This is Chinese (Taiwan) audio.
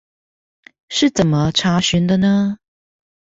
是怎麼查詢的呢？